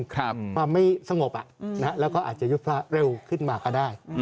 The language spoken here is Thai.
ความไม่สงบแล้วก็อาจจะยุบพระเร็วขึ้นมาก็ได้